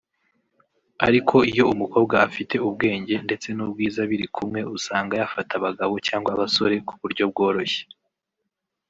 Ariko iyo umukobwa afite ubwenge ndetse n’ubwiza biri kumwe usanga yafata abagabo cyangwa abasore ku buryo bworoshye